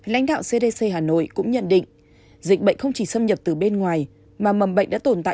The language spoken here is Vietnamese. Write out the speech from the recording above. lãnh đạo cdc hà nội cũng nhận định dịch bệnh không chỉ xâm nhập từ bên ngoài mà mầm bệnh đã tồn tại